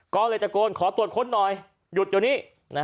ก็เลยตะโกนขอตรวจค้นหน่อยหยุดเดี๋ยวนี้